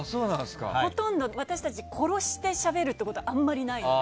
ほとんど私たち殺してしゃべるっていうことはあんまりないので。